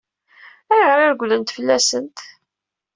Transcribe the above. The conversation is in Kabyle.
Ayɣer i regglent fell-asent?